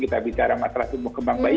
kita bicara masalah tumbuh kembang bayi